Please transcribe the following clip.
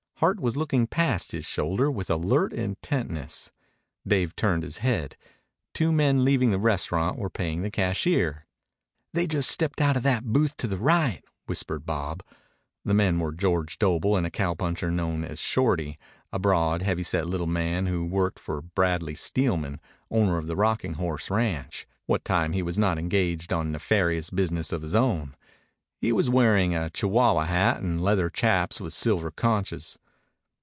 Hart was looking past his shoulder with alert intentness. Dave turned his head. Two men, leaving the restaurant, were paying the cashier. "They just stepped outa that booth to the right," whispered Bob. The men were George Doble and a cowpuncher known as Shorty, a broad, heavy set little man who worked for Bradley Steelman, owner of the Rocking Horse Ranch, what time he was not engaged on nefarious business of his own. He was wearing a Chihuahua hat and leather chaps with silver conchas.